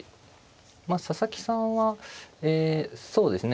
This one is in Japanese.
まあ佐々木さんはえそうですね